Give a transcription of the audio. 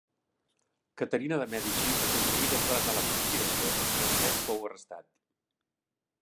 Caterina de Mèdici aconseguí desbaratar la conspiració i Francesc fou arrestar.